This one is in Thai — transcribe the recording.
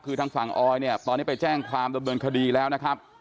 คือทางฝั่งออยเนี่ยตอนนี้ไปแจ้งความดำเนินคดีแล้วนะครับ